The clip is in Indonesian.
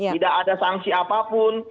tidak ada sanksi apapun